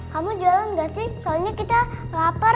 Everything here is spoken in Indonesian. kamu jualan gak sih soalnya kita lapar